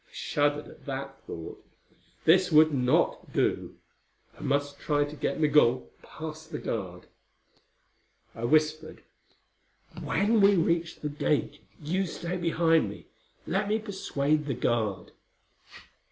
I shuddered at the thought. That would not do. I must try to get Migul past the guard. I whispered, "When we reach the gate you stay behind me. Let me persuade the guard."